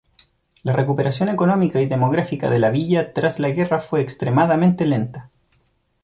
La recuperación económica y demográfica de la villa tras la guerra fue extremadamente lenta.